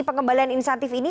pengembalian insentif ini